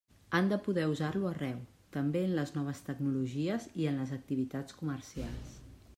Han de poder usar-lo arreu, també en les noves tecnologies i en les activitats comercials.